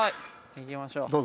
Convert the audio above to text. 行きましょう。